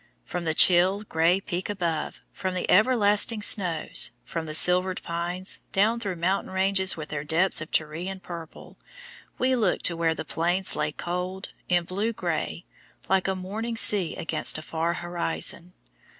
From the chill, grey Peak above, from the everlasting snows, from the silvered pines, down through mountain ranges with their depths of Tyrian purple, we looked to where the Plains lay cold, in blue grey, like a morning sea against a far horizon.